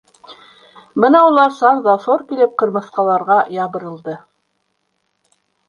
Бына улар «сар» ҙа «сор» килеп ҡырмыҫҡаларға ябырылды.